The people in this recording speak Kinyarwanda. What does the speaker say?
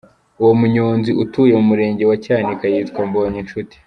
Uwo munyonzi, utuye mu Murenge wa Cyanika, yitwa Mbonyinshuti.